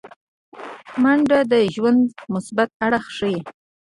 منډه د ژوند مثبت اړخ ښيي